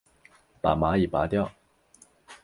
把蚂蚁拨掉